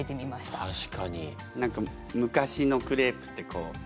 何か昔のクレープってたたんだ